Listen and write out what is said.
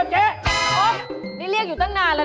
บอกไปด้วยทูยังไม่ตาย